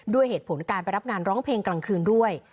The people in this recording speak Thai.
ด้วยเหตุผลการไปรับงานร้องเพลงกลางคืนด้วย